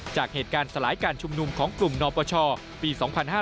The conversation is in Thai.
จากเหตุการณ์สลายการชุมนุมของกลุ่มนปชปี๒๕๕๙